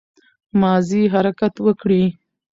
مازې حرکت وکړٸ